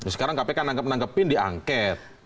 sekarang kpk menangkap menangkapin diangket